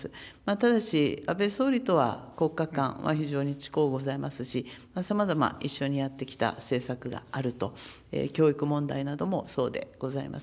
ただし、安倍総理とは国家官は非常にちこうございますし、さまざま、一緒にやってきた政策があると、教育問題などもそうでございます。